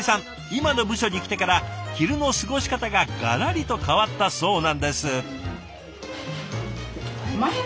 今の部署に来てから昼の過ごし方がガラリと変わったそうなんです。